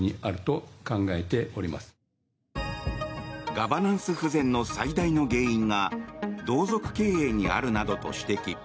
ガバナンス不全の最大の原因が同族経営にあるなどと指摘。